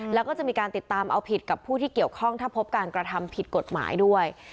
แล้วก็จะมีการติดตามเอาผิดกับผู้ที่เกี่ยวข้องถ้าพบการกระทำผิดกฎหมายด้วย